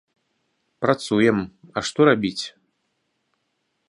Працуем, а што рабіць?